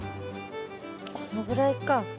このぐらいか。